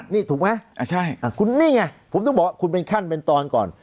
นี่ถูกไหมคุณนี่ไงผมต้องบอกว่าคุณเป็นขั้นเป็นตอนก่อน